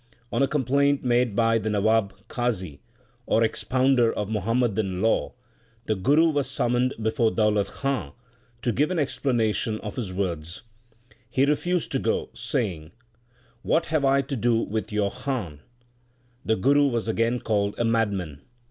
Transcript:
On a complaint made by the Nawab s Qazi, or expounder of Muhammadan law, the Guru was summoned before Daulat Khan to give an explana tion of his words. He refused to go, saying, What have I to do with your Khan ? The Guru was again called a madman.